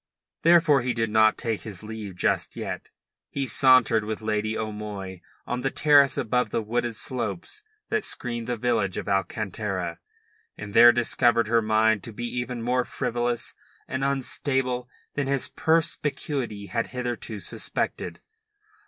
Therefore he did not take his leave just yet. He sauntered with Lady O'Moy on the terrace above the wooded slopes that screened the village of Alcantara, and there discovered her mind to be even more frivolous and unstable than his perspicuity had hitherto suspected.